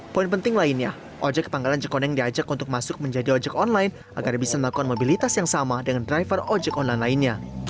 poin penting lainnya ojek panggalan jekoneng diajak untuk masuk menjadi ojek online agar bisa melakukan mobilitas yang sama dengan driver ojek online lainnya